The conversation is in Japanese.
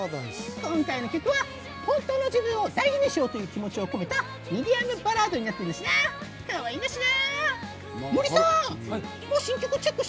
今回の曲は本当の自分を大事にしようという気持ちを込めたミディアムバラードになっているなっしー！な。